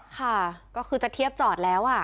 ค่ะก็คือจะเทียบจอดแล้ว